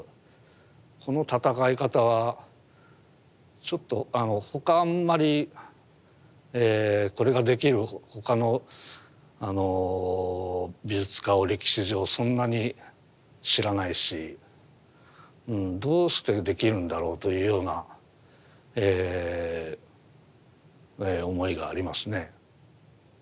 この戦い方はちょっと他あんまりこれができる他の美術家を歴史上そんなに知らないしどうしてできるんだろうというような思いがありますね。